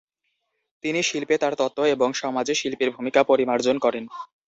তিনি শিল্পে তার তত্ত্ব এবং সমাজে শিল্পীর ভূমিকা পরিমার্জন করেন।